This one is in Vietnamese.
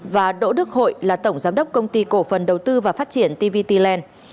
và đỗ đức hội là tổng giám đốc công ty cổ phần đầu tư và phát triển tvt land